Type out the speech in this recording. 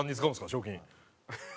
賞金。